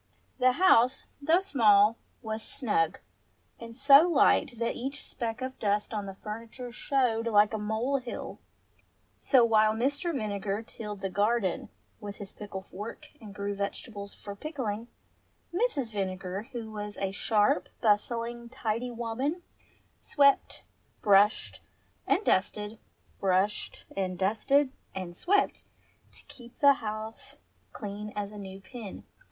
The house, though small, was snug, and so light that each speck of dust on the furniture showed like a mole hill ; so while Mr. Vinegar tilled his garden with a pickle fork and grew vegetables for pickling, Mrs. Vinegar, who was a sharp, bustling, tidy woman, swept, brushed, and dusted, brushed and dusted and swept to keep the house clean as a new pin.